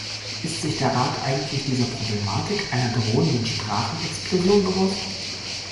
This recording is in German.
Ist sich der Rat eigentlich dieser Problematik einer drohenden Sprachenexplosion bewusst?